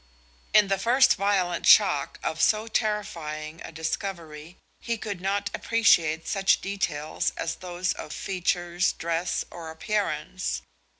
In the first violent shock of so terrifying a discovery, he could not appreciate such details as those of features, dress, or appearance.